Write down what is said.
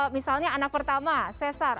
misalnya anak pertama cesar